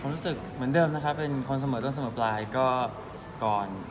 รู้สึกเหมือนเดิมนะครับเป็นคนเสมอต้นเสมอปลายก็ก่อน